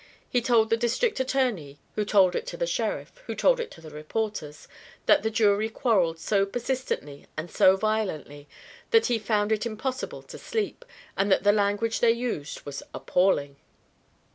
He told the district attorney (who told it to the sheriff, who told it to the reporters) that the jury quarrelled so persistently and so violently that he found it impossible to sleep, and that the language they used was appalling.